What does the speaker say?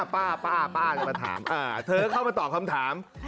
ป้าจะมาถามเธอเข้ามาตอบคำถาม